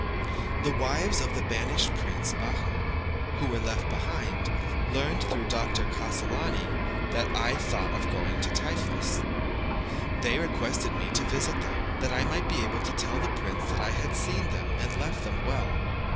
The wives of the banished prince, Behmen, who were left behind, learnt, through Dr. Cassolani, that I thought of going to Tiflis. They requested me to visit them, that I might be able to tell the prince that I had seen them and left them well.